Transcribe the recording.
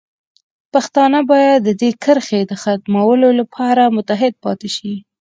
پښتانه باید د دې کرښې د ختمولو لپاره متحد پاتې شي.